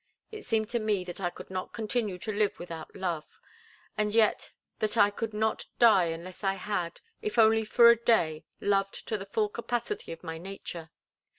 It seemed to me that I could not continue to live without love, and yet that I could not die unless I had, if only for a day, loved to the full capacity of my nature.